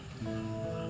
ya udah gapapa